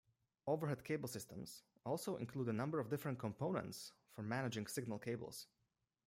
Overhead cable systems also include a number of different components for managing signal cables.